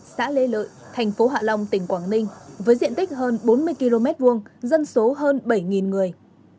xã lê lợi thành phố hạ long tỉnh quảng ninh với diện tích hơn bốn mươi km hai dân số hơn bảy người